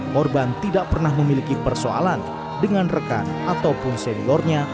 korban tidak pernah memiliki persoalan dengan rekan ataupun seniornya